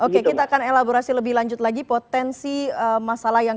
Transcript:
oke kita akan elaborasi lebih lanjut lagi potensi masalah yang kemungkinan bisa terjadi di dalam